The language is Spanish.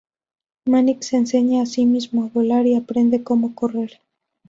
Manic se enseña a sí mismo a volar y aprende cómo correr.